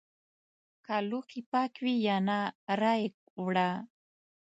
که لوښي پاک وي یا نه رایې وړه!